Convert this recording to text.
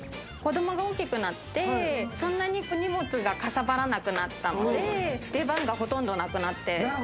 子供が大きくなって、そんなに手荷物がかさばらなくなったので、出番がほとんどなくなって。